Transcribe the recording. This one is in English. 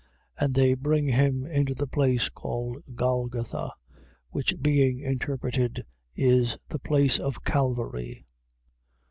15:22. And they bring him into the place called Golgotha, which being interpreted is, The place of Calvary.